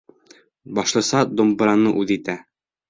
Башлыса думбыраны үҙ итә.